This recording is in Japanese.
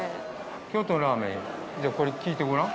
京都のラーメン、じゃあ、これ聞いてごらん。